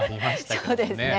そうですね。